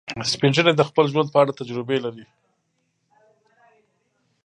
سپین ږیری د خپل ژوند په اړه تجربې لري